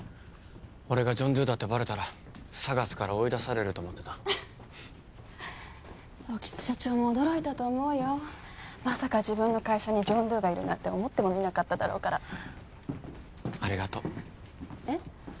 俺がジョン・ドゥだってバレたらＳＡＧＡＳから追い出されると思ってたフフッ興津社長も驚いたと思うよまさか自分の会社にジョン・ドゥがいるなんて思ってもみなかっただろうからありがとうえっ？